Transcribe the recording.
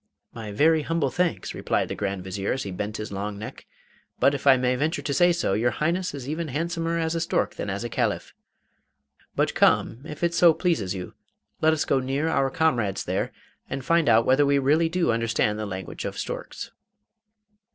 'My very humble thanks,' replied the Grand Vizier, as he bent his long neck; 'but, if I may venture to say so, your Highness is even handsomer as a stork than as a Caliph. But come, if it so pleases you, let us go near our comrades there and find out whether we really do understand the language of storks.